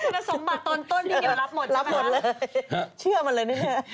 รับหมดเลยเชื่อมันเลยเนี่ย